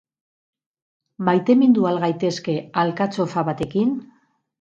Maitemindu al gaitezke alkatxofa batekin?